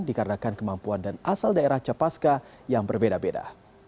dikarenakan kemampuan dan asal daerah capaska yang berbeda beda